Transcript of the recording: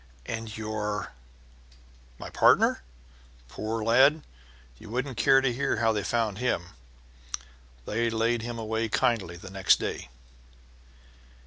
"And your " "My partner? Poor lad! You wouldn't care to hear how they found him. They laid him away kindly the next day."